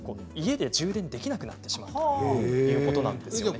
家で充電できなくなってしまうということなんです。